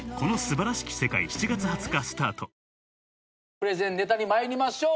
プレゼンネタに参りましょう。